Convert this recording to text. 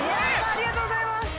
ありがとうございます。